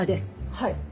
はい。